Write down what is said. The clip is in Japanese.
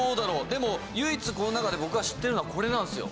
でも唯一この中で僕が知っているのはこれなんですよ。